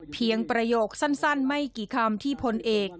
ประโยคสั้นไม่กี่คำที่พลเอก